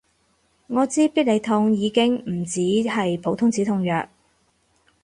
我知必理痛已經唔止係普通止痛藥